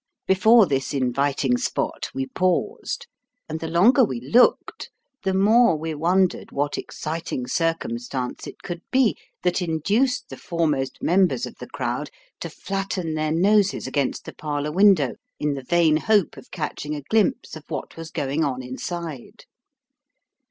Before this inviting spot we paused ; and the longer we looked, the more wo wondered what exciting circumstance it could be, that induced the foremost members of the crowd to flatten their noses against the parlour window, in the vain hope of catching a glimpse of what was going on inside.